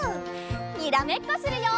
にらめっこするよ！